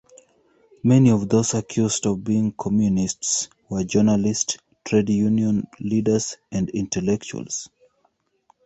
Many of those accused of being Communists were journalists, trade union leaders and intellectuals.